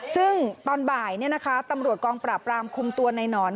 ซึ่งตอนบ่ายตำรวจกองปราบรามคุมตัวในหนอน